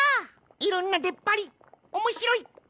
いろんなでっぱりおもしろい！